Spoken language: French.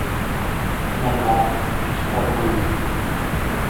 Finalement, il quitta Bruges.